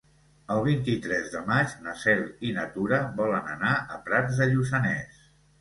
El vint-i-tres de maig na Cel i na Tura volen anar a Prats de Lluçanès.